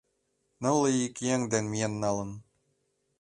Нылле ик еҥ ден миен налын.